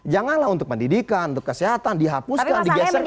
janganlah untuk pendidikan untuk kesehatan dihapuskan digeser tindakan ke ikn